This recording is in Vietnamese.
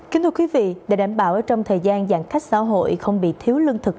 kính thưa quý vị để đảm bảo trong thời gian giãn cách xã hội không bị thiếu lương thực